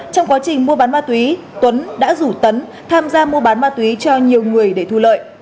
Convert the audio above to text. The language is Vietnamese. trong quá trình mua bán ma túy tuấn đã rủ tấn tham gia mua bán ma túy cho nhiều người để thu lợi